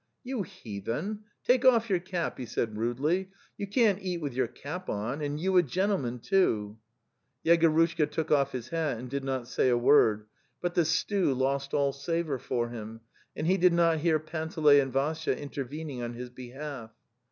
'You heathen, take off your cap," he said rudely. 'You can't eat with your cap on, and you a gentle man too!" Yegorushka took off his hat and did not say a word, but the stew lost all savour for him, and he did not hear Panteley and Vassya intervening on his behalf.